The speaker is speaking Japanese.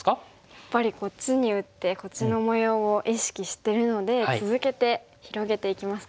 やっぱりこっちに打ってこっちの模様を意識してるので続けて広げていきますか。